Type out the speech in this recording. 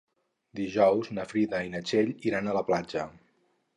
Dijous na Frida i na Txell iran a la platja.